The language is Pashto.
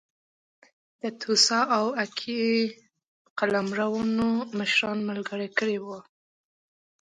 د توسا او اکي قلمرونو مشران ملګري کړي وو.